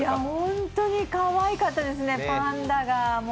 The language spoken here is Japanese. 本当にかわいかったですね、パンダが。